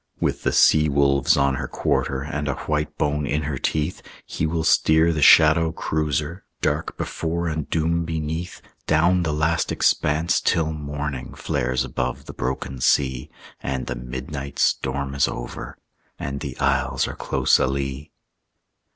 With the sea wolves on her quarter, And a white bone in her teeth, He will steer the shadow cruiser, Dark before and doom beneath, Down the last expanse, till morning Flares above the broken sea, And the midnight storm is over, And the Isles are close alee.